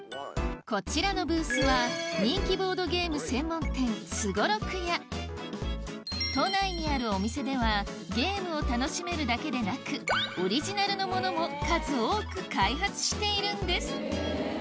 こちらのブースは人気ボードゲーム専門店都内にあるお店ではゲームを楽しめるだけでなくオリジナルのものも数多く開発しているんです